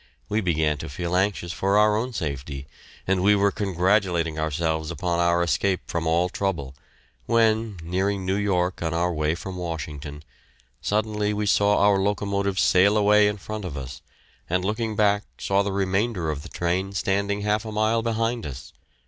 We began to feel anxious for our own safety, and we were congratulating ourselves upon our escape from all trouble, when, nearing New York on our way from Washington, suddenly we saw our locomotive sail away in front of us, and looking back saw the remainder of the train standing half a mile behind us.